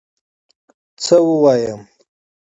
څه ووایم